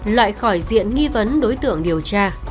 loại khỏi diện nghi vấn đối tượng điều tra